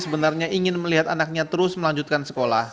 menelihat anaknya terus melanjutkan sekolah